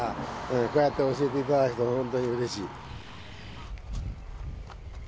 こうやって教えていただいて本当にうれしい。